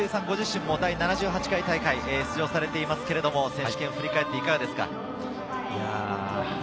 ご自身も第７８回大会に出場されていますが、選手権、振り返っていかがですか。